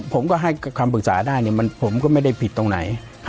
ผมก็ให้คำปรึกษาได้เนี่ยผมก็ไม่ได้ผิดตรงไหน